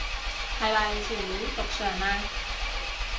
係咪全面復常嘞